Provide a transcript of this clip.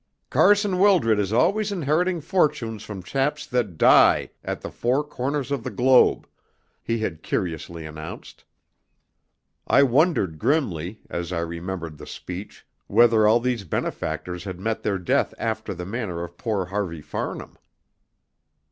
"Carson Wildred is always inheriting fortunes from chaps that die at the four corners of the globe," he had curiously announced. I wondered grimly, as I remembered the speech, whether all these benefactors had met their death after the manner of poor Harvey Farnham.